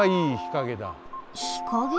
日陰？